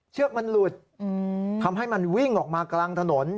เชือกมันหลุดทำให้มันวิ่งออกมากลางถนน